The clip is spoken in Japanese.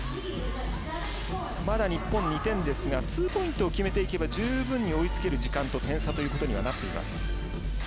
まだ日本、２点ですが２ポイントを決めていけば十分に追いつける時間と点差になっています。